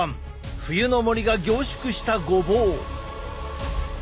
冬の森が凝縮したごぼう。